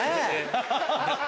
ハハハハ！